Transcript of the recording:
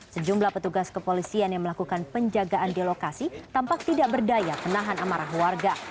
sejumlah petugas kepolisian yang melakukan penjagaan di lokasi tampak tidak berdaya penahan amarah warga